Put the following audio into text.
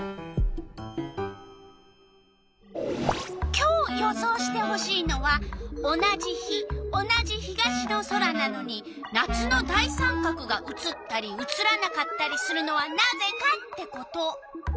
今日予想してほしいのは「同じ日同じ東の空なのに夏の大三角が写ったり写らなかったりするのはなぜか」ってこと。